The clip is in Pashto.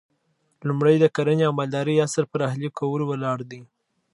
لومړی د کرنې او مالدارۍ عصر پر اهلي کولو ولاړ دی